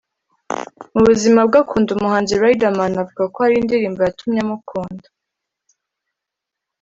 Mu buzima bwe akunda umuhanzi Riderman avuga ko hari indirimbo yatumye amukunda